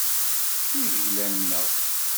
D agla-nneɣ.